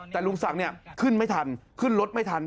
แต่ลุงศักดิ์ขึ้นไม่ทันขึ้นรถไม่ทัน